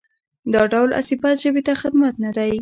دا ډول عصبیت ژبې ته خدمت نه دی.